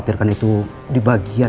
dan maksud saya